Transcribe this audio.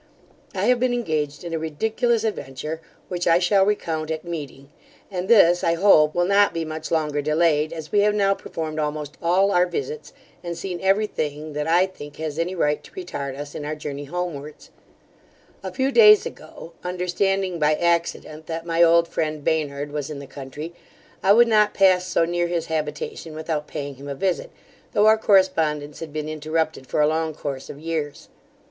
I have been engaged in a ridiculous adventure, which I shall recount at meeting; and this, I hope, will not be much longer delayed, as we have now performed almost all our visits, and seen every thing that I think has any right to retard us in our journey homewards A few days ago, understanding by accident, that my old friend Baynard was in the country, I would not pass so near his habitation without paying him a visit, though our correspondence had been interrupted for a long course of years.